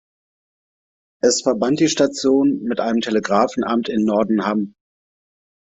Es verband die Station mit dem Telegrafenamt in Nordenham.